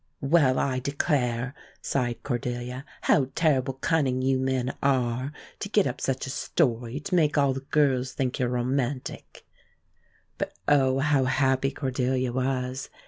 "Well, I declare!" sighed Cordelia. "How terrible cunning you men are, to get up such a story to make all the girls think you're romantic!" But, oh, how happy Cordelia was!